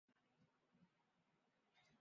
云南野扇花为黄杨科野扇花属的植物。